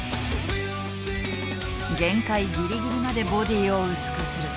限界ギリギリまでボディーを薄くする。